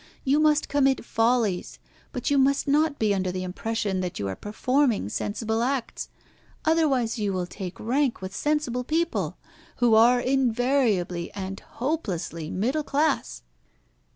You must commit follies; but you must not be under the impression that you are performing sensible acts, otherwise you will take rank with sensible people, who are invariably and hopelessly middle class."